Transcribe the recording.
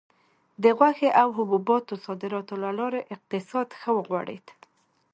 د غوښې او حبوباتو صادراتو له لارې اقتصاد ښه وغوړېد.